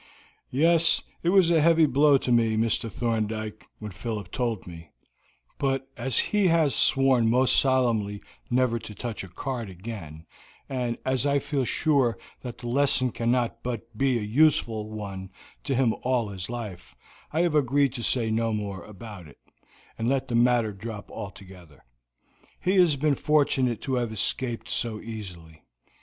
"Yes. It was a heavy blow to me, Mr. Thorndyke, when Philip told me; but as he has sworn most solemnly never to touch a card again, and as I feel sure that the lesson cannot but be a useful one to him all his life, I have agreed to say no more about it, and let the matter drop altogether. He has been fortunate to have escaped so easily.